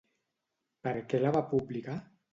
Per què la va publicar?